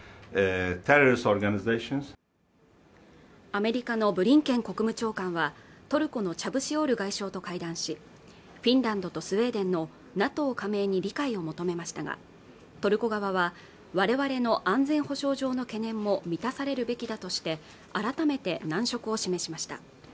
アメリカのブリンケン国務長官はトルコのチャブシオール外相と会談しフィンランドとスウェーデンのＮＡＴＯ加盟に理解を求めましたがトルコ側は我々の安全保障上の懸念も満たされるべきだとして改めて難色を示しました